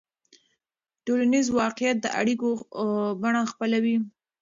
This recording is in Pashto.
ټولنیز واقعیت د اړیکو بڼه خپلوي.